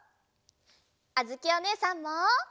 あづきおねえさんも。